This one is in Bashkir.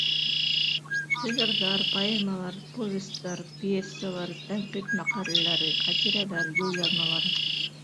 Шиғырҙар, поэмалар, повестар, пьесалар, тәнҡит мәҡәләләре, хәтирәләр, юл яҙмалары...